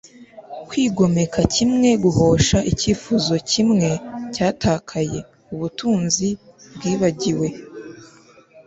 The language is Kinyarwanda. kwigomeka kimwe guhosha icyifuzo kimwe cyatakaye ubutunzi bwibagiwe